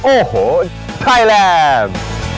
โอโหไทแลม